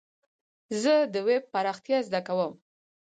زه د ويب پراختيا زده کوم.